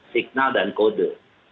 signal dan kode